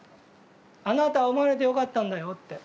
「あなたは生まれてよかったんだよ」って。